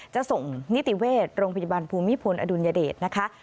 จะส่งนิติเวชโรงพยาบาลภูมิพลอดุลยเดชนะคะ